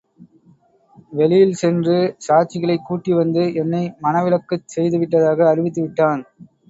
வெளியில் சென்று சாட்சிகளைக் கூட்டி வந்து, என்னை மணவிலக்குச் செய்து விட்டதாக அறிவித்து விட்டான்.